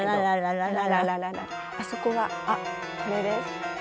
あそこはあっこれです。